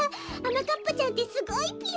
まかっぱちゃんってすごいぴよ。